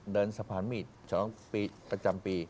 เดินสะพานเมีดข้างมาประจำปี